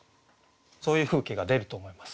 そういう風景が出ると思います。